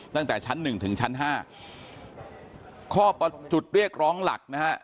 ตั้งแต่ชั้นหนึ่งถึงชั้นห้าข้อจุดเรียกร้องหลักนะฮะ